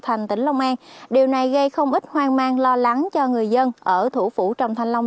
thành tỉnh long an điều này gây không ít hoang mang lo lắng cho người dân ở thủ phủ trầm thanh long